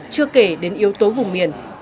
chưa kể đến yếu tố vùng miền